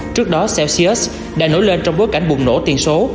trước đó celsius đã nổi lên trong bối cảnh buồn nổ tiền số